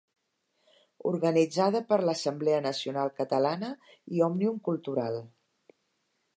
Organitzada per l'Assemblea Nacional Catalana i Òmnium Cultural.